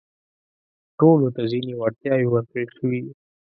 ټولو ته ځينې وړتياوې ورکړل شوي دي.